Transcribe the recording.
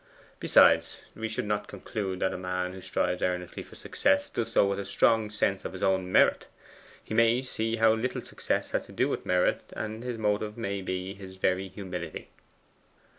Besides, we should not conclude that a man who strives earnestly for success does so with a strong sense of his own merit. He may see how little success has to do with merit, and his motive may be his very humility.